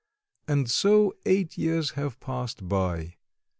And so eight years have passed by.